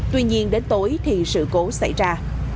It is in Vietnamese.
tuy nhiên đến tối thì sự cố xảy ra